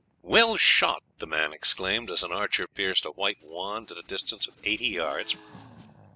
"Well shot!" the man exclaimed, as an archer pierced a white wand at a distance of eighty yards.